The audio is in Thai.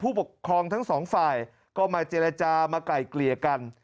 ผู้ปกครองทั้งสองฝ่ายก็มาเจรจามาไกลเกลี่ยกัน